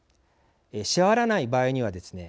支払わない場合にはですね